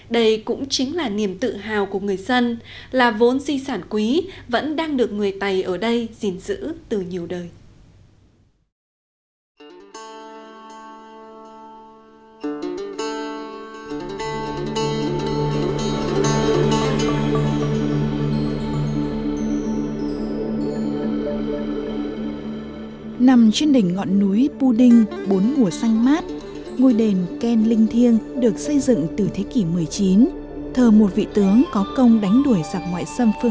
đây cũng chính là niềm tự hào của người dân là vốn di sản quý vẫn đang được người tây ở đây gìn giữ từ nhiều đời